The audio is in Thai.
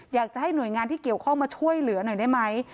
อยากจะให้หน่วยงานที่เกี่ยวข้องมาช่วยเหลือหน่อยได้ไหม